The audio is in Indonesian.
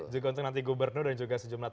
juga untuk nanti gubernur dan juga sejumlah